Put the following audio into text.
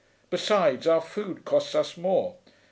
Besides, our food costs us more.